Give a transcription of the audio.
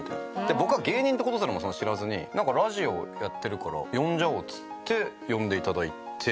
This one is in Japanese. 僕が芸人って事すらも知らずにラジオやってるから呼んじゃおうっつって呼んで頂いて。